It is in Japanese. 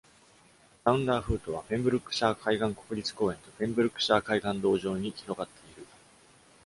サウンダーフートはペンブルックシャー海岸国立公園とペンブルックシャー海岸道上に広がっている。